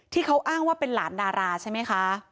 ที่เขาอ้างว่าเป็นหลานดาราใช่ไหมคะ